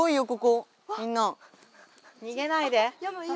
にげないで！